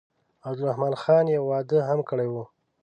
عبدالرحمن خان یو واده هم کړی وو.